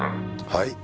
はい？